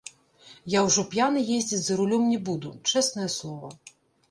Я ўжо п'яны ездзіць за рулём не буду, чэснае слова.